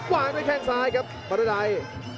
วางด้วยแค่งซ้ายครับบาดด้วยดาย